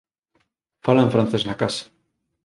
Falan francés na casa